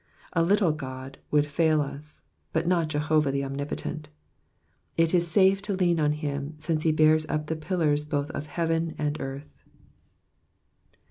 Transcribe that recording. A little God would fail us, but not Jehovah the Omnipotent. It is safe to lean on him, since he bears up the pillars both of heaven and earth.